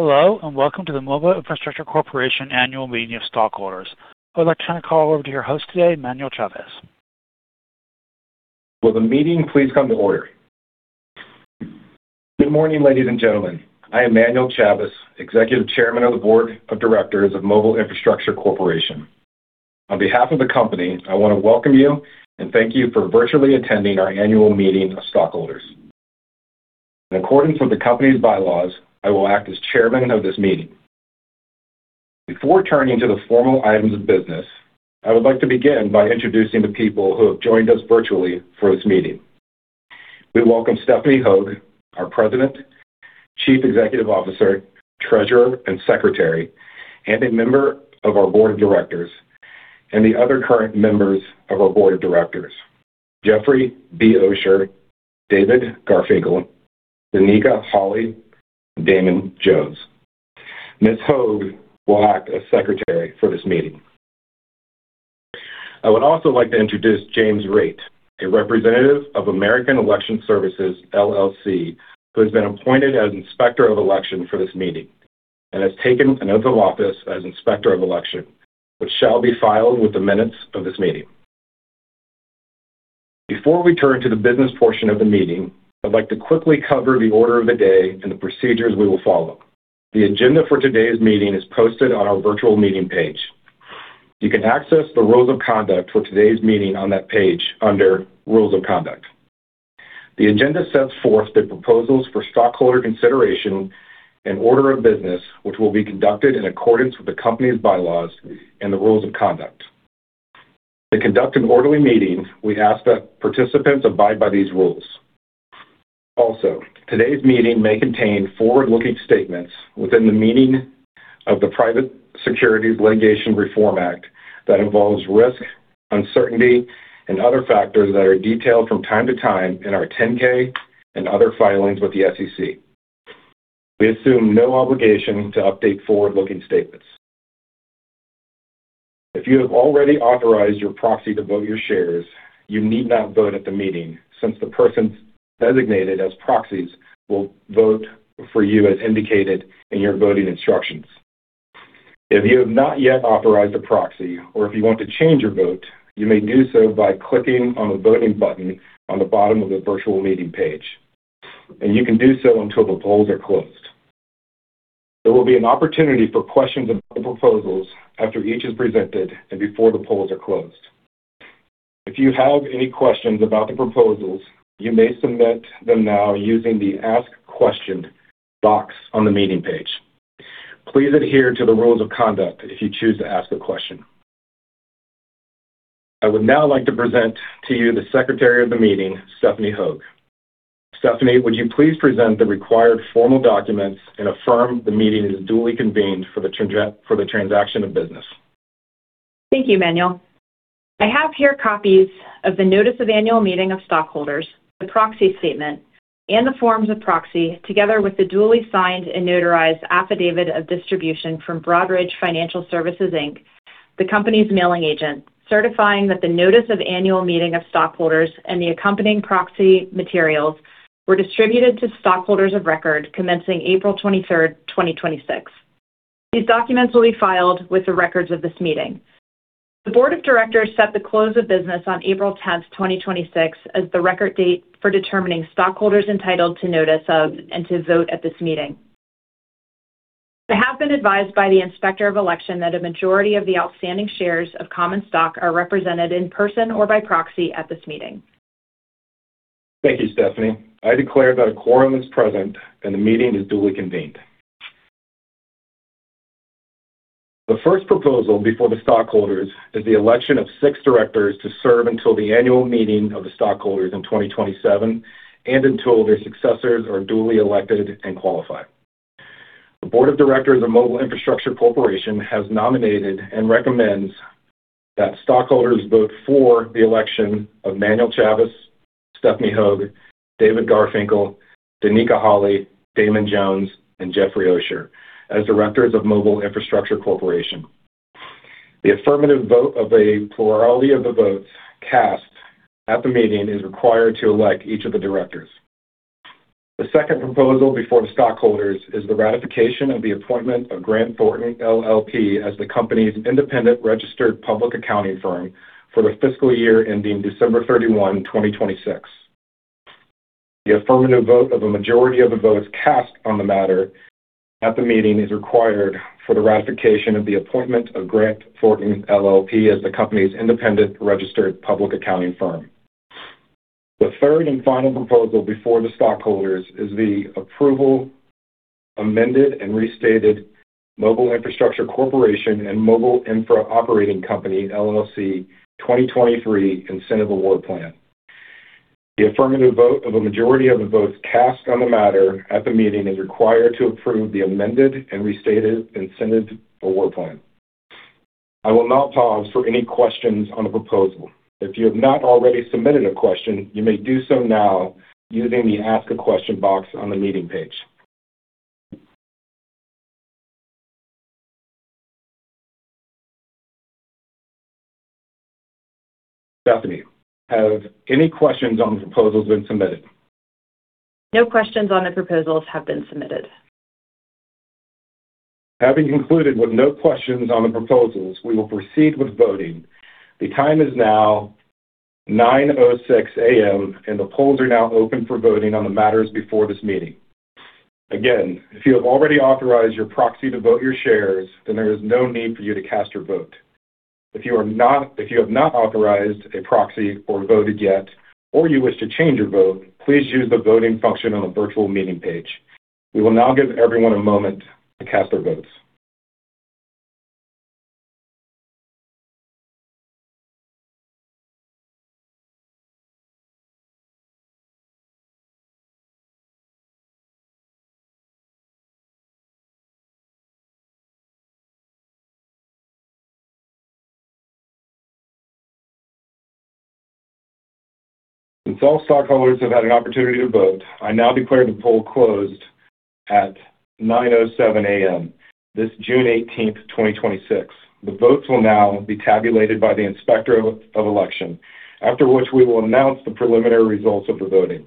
Hello, and welcome to the Mobile Infrastructure Corporation Annual Meeting of Stockholders. I would like to turn the call over to your host today, Manuel Chavez. Will the meeting please come to order? Good morning, ladies and gentlemen. I am Manuel Chavez, Executive Chairman of the Board of Directors of Mobile Infrastructure Corporation. On behalf of the company, I want to welcome you and thank you for virtually attending our annual meeting of stockholders. In accordance with the company's bylaws, I will act as chairman of this meeting. Before turning to the formal items of business, I would like to begin by introducing the people who have joined us virtually for this meeting. We welcome Stephanie Hogue, our President, Chief Executive Officer, Treasurer, and Secretary, and a member of our board of directors, and the other current members of our board of directors, Jeffrey B. Osher, David Garfinkle, Danica Holley, Damon Jones. Ms. Hogue will act as secretary for this meeting. I would also like to introduce James Rate, a representative of American Election Services, LLC, who has been appointed as Inspector of Election for this meeting and has taken an oath of office as Inspector of Election, which shall be filed with the minutes of this meeting. Before we turn to the business portion of the meeting, I'd like to quickly cover the order of the day and the procedures we will follow. The agenda for today's meeting is posted on our virtual meeting page. You can access the rules of conduct for today's meeting on that page under Rules of Conduct. The agenda sets forth the proposals for stockholder consideration and order of business, which will be conducted in accordance with the company's bylaws and the rules of conduct. To conduct an orderly meeting, we ask that participants abide by these rules. Today's meeting may contain forward-looking statements within the meaning of the Private Securities Litigation Reform Act that involves risk, uncertainty, and other factors that are detailed from time to time in our 10-K and other filings with the SEC. We assume no obligation to update forward-looking statements. If you have already authorized your proxy to vote your shares, you need not vote at the meeting since the persons designated as proxies will vote for you as indicated in your voting instructions. If you have not yet authorized a proxy or if you want to change your vote, you may do so by clicking on the voting button on the bottom of the virtual meeting page. You can do so until the polls are closed. There will be an opportunity for questions about the proposals after each is presented and before the polls are closed. If you have any questions about the proposals, you may submit them now using the Ask Question box on the meeting page. Please adhere to the rules of conduct if you choose to ask a question. I would now like to present to you the Secretary of the meeting, Stephanie Hogue. Stephanie, would you please present the required formal documents and affirm the meeting is duly convened for the transaction of business? Thank you, Manuel. I have here copies of the Notice of Annual Meeting of Stockholders, the proxy statement, and the forms of proxy, together with the duly signed and notarized Affidavit of Distribution from Broadridge Financial Solutions, Inc., the company's mailing agent, certifying that the notice of annual meeting of stockholders and the accompanying proxy materials were distributed to stockholders of record commencing April 23, 2026. These documents will be filed with the records of this meeting. The board of directors set the close of business on April 10, 2026 as the record date for determining stockholders entitled to notice of and to vote at this meeting. I have been advised by the Inspector of Election that a majority of the outstanding shares of common stock are represented in person or by proxy at this meeting. Thank you, Stephanie. I declare that a quorum is present, and the meeting is duly convened. The first proposal before the stockholders is the election of six directors to serve until the annual meeting of the stockholders in 2027 and until their successors are duly elected and qualified. The board of directors of Mobile Infrastructure Corporation has nominated and recommends that stockholders vote for the election of Manuel Chavez, Stephanie Hogue, David Garfinkle, Danica Holley, Damon Jones, and Jeffrey Osher as directors of Mobile Infrastructure Corporation. The affirmative vote of a plurality of the votes cast at the meeting is required to elect each of the directors. The second proposal before the stockholders is the ratification of the appointment of Grant Thornton, LLP as the company's independent registered public accounting firm for the fiscal year ending December 31, 2026. The affirmative vote of a majority of the votes cast on the matter at the meeting is required for the ratification of the appointment of Grant Thornton, LLP as the company's independent registered public accounting firm. The third and final proposal before the stockholders is the approval amended and restated Mobile Infrastructure Corporation and Mobile Infra Operating Company, LLC 2023 Incentive Award Plan. The affirmative vote of a majority of the votes cast on the matter at the meeting is required to approve the amended and restated Incentive Award Plan. I will now pause for any questions on the proposal. If you have not already submitted a question, you may do so now using the Ask a Question box on the meeting page. Stephanie, have any questions on the proposals been submitted? No questions on the proposals have been submitted. Having concluded with no questions on the proposals, we will proceed with voting. The time is now 9:00 A.M., and the polls are now open for voting on the matters before this meeting. Again, if you have already authorized your proxy to vote your shares, there is no need for you to cast your vote. If you have not authorized a proxy or voted yet, you wish to change your vote, please use the voting function on the virtual meeting page. We will now give everyone a moment to cast their votes. Since all stockholders have had an opportunity to vote, I now declare the poll closed at AM this June 18, 2026. The votes will now be tabulated by the Inspector of Election, after which we will announce the preliminary results of the voting.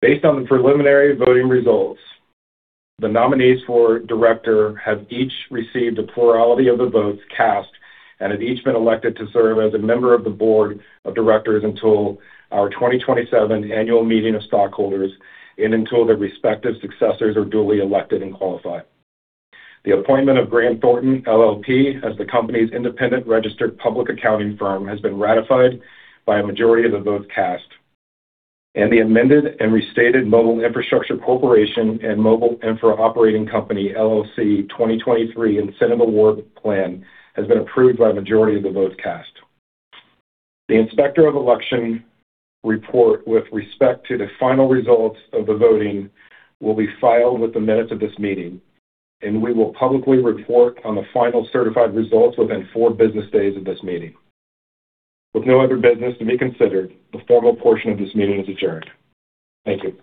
Based on the preliminary voting results, the nominees for director have each received a plurality of the votes cast and have each been elected to serve as a member of the board of directors until our 2027 annual meeting of stockholders and until their respective successors are duly elected and qualified. The appointment of Grant Thornton, LLP as the company's independent registered public accounting firm has been ratified by a majority of the votes cast, and the amended and restated Mobile Infrastructure Corporation and Mobile Infra Operating Company, LLC 2023 Incentive Award Plan has been approved by a majority of the votes cast. The Inspector of Election report with respect to the final results of the voting will be filed with the minutes of this meeting, and we will publicly report on the final certified results within four business days of this meeting. With no other business to be considered, the formal portion of this meeting is adjourned. Thank you.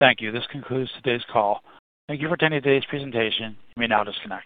Thank you. This concludes today's call. Thank you for attending today's presentation. You may now disconnect.